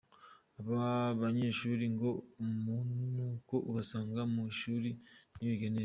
Aba banyeshuri ngo umunuko ubasanga mu ishuri ntibige neza.